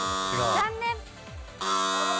残念。